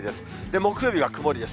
木曜日は曇りです。